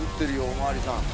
お巡りさん